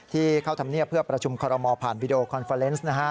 ที่เข้าทำเงียบเพื่อประชุมคอรมอผ่านวิดีโอคอนเฟอร์เรนซ์